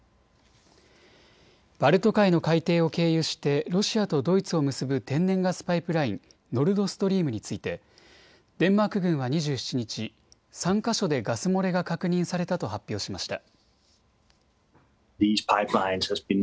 バルト海の海底を経由してロシアとドイツを結ぶ天然ガスパイプライン、ノルドストリームについて、デンマーク軍は２７日、３か所でガス漏れが確認されたと発表しました。